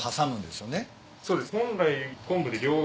そうです。